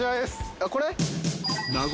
あっこれ？